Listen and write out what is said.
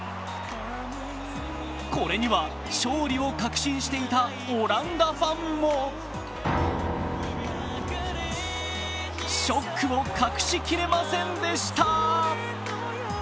これには勝利を確信していたオランダファンもショックを隠しきれませんでした。